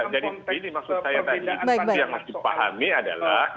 dalam konteks perbedaan